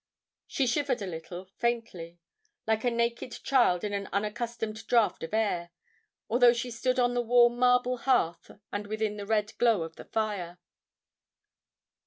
She shivered a little, faintly, like a naked child in an unaccustomed draught of air, although she stood on the warm marble hearth and within the red glow of the fire.